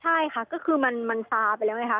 ใช่ค่ะก็คือมันซาไปแล้วไงคะ